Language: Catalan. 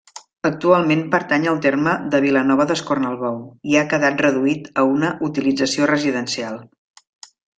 Actualment pertany al terme de Vilanova d'Escornalbou i ha quedat reduït a una utilització residencial.